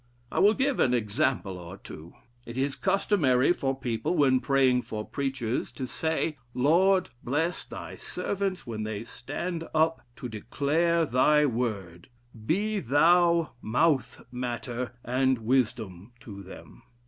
I will give an example or two. It is customary for people, when praying for preachers, to say, 'Lord, bless thy servants when they stand up to declare thy word: be thou mouth matter, and wisdom to them.'